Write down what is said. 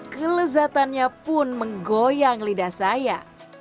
kelezatannya pun menggoyang lidah saya